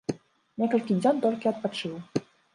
Некалькі дзён толькі адпачыў.